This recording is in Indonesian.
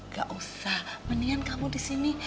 gak usah mendingan kamu di sini